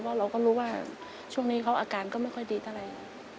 แล้วเราก็รู้ว่าช่วงนี้เขาอาการก็ไม่ค่อยดีเท่าไหร่